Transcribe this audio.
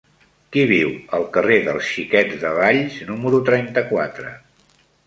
Qui viu al carrer dels Xiquets de Valls número trenta-quatre?